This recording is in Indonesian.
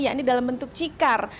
ya ini dalam bentuk cikar